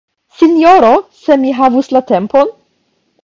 Sinjoro, se mi havus la tempon!